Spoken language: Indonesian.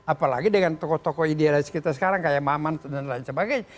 apalagi dengan tokoh tokoh idealis kita sekarang kayak maman dan lain sebagainya